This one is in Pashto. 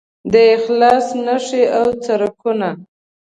د اخلاص نښې او څرکونه